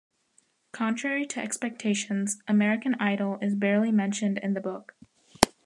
Contrary to expectations, "American Idol" is barely mentioned in the book.